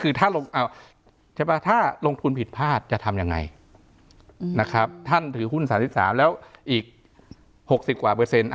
คือถ้าลงทุนผิดพลาดจะทำยังไงนะครับท่านถือหุ้น๓๓แล้วอีก๖๐กว่าเปอร์เซ็นต์